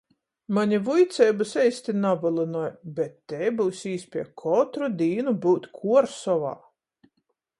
Mani vuiceibys eisti navylynoj, bet tei byus īspieja kotru dīnu byut Kuorsovā.